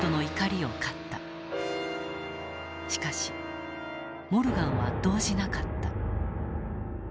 しかしモルガンは動じなかった。